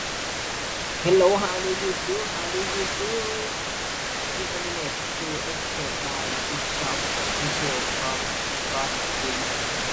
His ordination to the episcopate by Bishop Michael Cox resulted in him being excommunicated.